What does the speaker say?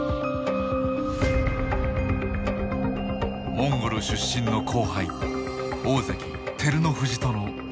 モンゴル出身の後輩大関照ノ富士との全勝対決。